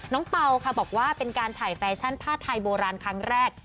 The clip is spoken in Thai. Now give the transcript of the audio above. เป่าค่ะบอกว่าเป็นการถ่ายแฟชั่นผ้าไทยโบราณครั้งแรก